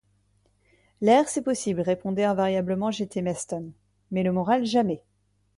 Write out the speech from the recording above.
L’air, c’est possible, répondait invariablement J.-T. Maston, mais le moral, jamais.